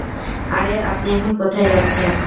আরে আপনি এখন কোথায় যাচ্ছেন?